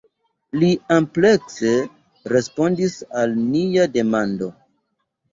Li amplekse respondis al nia demando.